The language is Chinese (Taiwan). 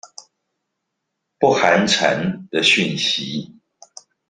不寒蟬的訊息